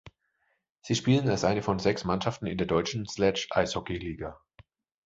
Sie spielen als eine von sechs Mannschaften in der Deutschen Sledge-Eishockey Liga.